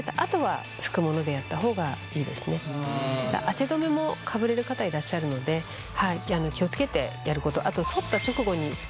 汗止めもかぶれる方いらっしゃるので気を付けてやること。